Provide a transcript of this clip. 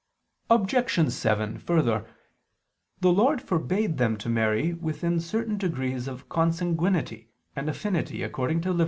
Obj. 7: Further, the Lord forbade them to marry within certain degrees of consanguinity and affinity, according to Lev.